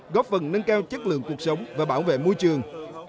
góp phần nâng cao chất lượng cuộc sống và bảo vệ môi trường